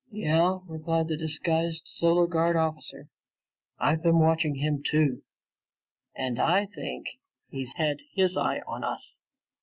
"Yeah," replied the disguised Solar Guard officer. "I've been watching him too. And I think he's had his eye on us."